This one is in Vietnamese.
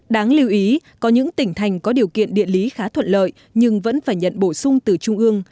đáng lưu ý có những tỉnh thành có điều kiện địa lý khá thuận lợi nhưng vẫn phải nhận bổ sung từ trung ương